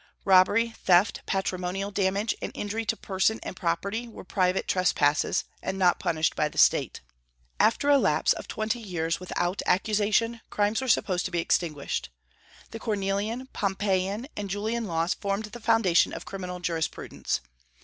Robbery, theft, patrimonial damage, and injury to person and property were private trespasses, and not punished by the State. After a lapse of twenty years without accusation, crimes were supposed to be extinguished. The Cornelian, Pompeian, and Julian laws formed the foundation of criminal jurisprudence.